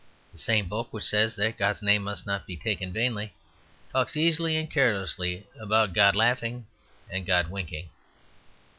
The same book which says that God's name must not be taken vainly, talks easily and carelessly about God laughing and God winking.